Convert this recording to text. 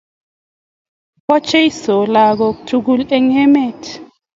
Bo Jesu lagok tugul en emet